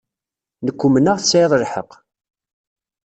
Nekk umneɣ tesɛiḍ lḥeqq.